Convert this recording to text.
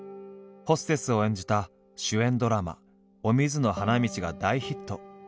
ホステスを演じた主演ドラマ「お水の花道」が大ヒット。